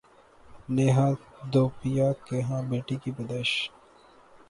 نیہا دھوپیا کے ہاں بیٹی کی پیدائش